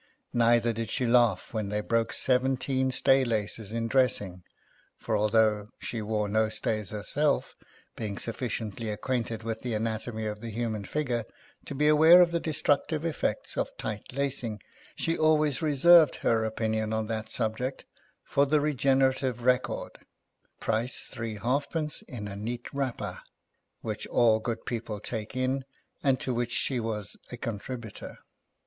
Neither did she laugh when they broke seven teen stay laces in dressing ; for, although she wore no stays herself, being sufficiently ac quainted with the anatomy of the human figure to be aware of the destructive effects of tight lacing, she always reserved her opinions on that subject for the Regenerative Record (price three halfpence in a neat wrapper), which all good people take in, and to which she was a Contributor.